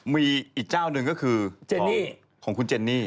มีอีกเจ้านึงก็คือของคุณเจนนี่